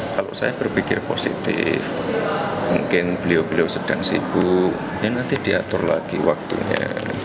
kalau saya berpikir positif mungkin beliau beliau sedang sibuk ya nanti diatur lagi waktunya